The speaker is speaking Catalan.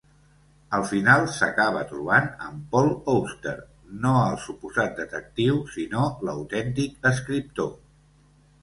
Al final s'acaba trobant amb Paul Auster, no el suposat detectiu, sinó l'autèntic escriptor.